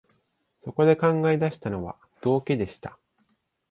そこで考え出したのは、道化でした